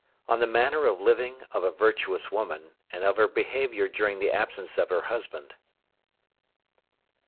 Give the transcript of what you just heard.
ON THE MANNER OF LIVING OF A VIRTUOUS WOMAN, AND OF HER BEHAVIOUR DURING THE ABSENCE OF HER HUSBAND.